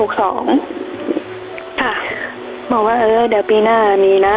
บอกว่าเออเดี๋ยวปีหน้ามีนะ